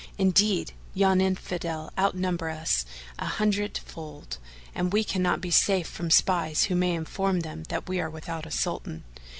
Indeed yon Infidel outnumbereth us an hundredfold and we cannot be safe from spies who may inform them that we are without a Sultan.